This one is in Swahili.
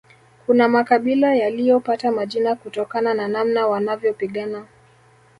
Kuna makabila yaliyopata majina kutokana na namna wanavyopigana